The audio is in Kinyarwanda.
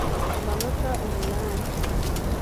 amanota umunani